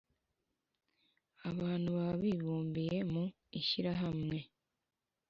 abantu baba bibumbiye mu ishyirahamwe